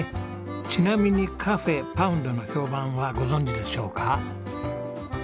ちなみにカフェＰＯＵＮＤの評判はご存じでしょうか？